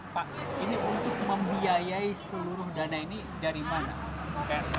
pak ini untuk membiayai seluruh dana ini dari mana